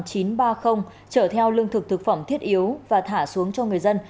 chở theo lương thực thực phẩm thiết yếu và thả xuống cho người dân